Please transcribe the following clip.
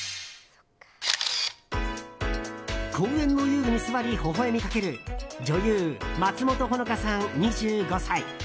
公園の遊具に座りほほ笑みかける女優・松本穂香さん、２５歳。